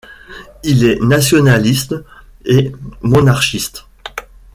Il est nationaliste et monarchiste.